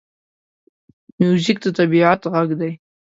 موزیک د طبعیت غږ دی.